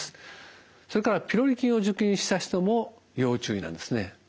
それからピロリ菌を除菌した人も要注意なんですね。